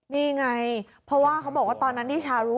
นี่ไงเพราะว่าเขาบอกว่าตอนนั้นนิชารู้